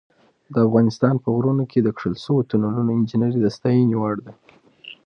د افغانستان په غرونو کې د کښل شویو تونلونو انجینري د ستاینې وړ ده.